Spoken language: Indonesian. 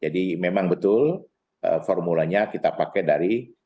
jadi memang betul formulanya kita pakai dari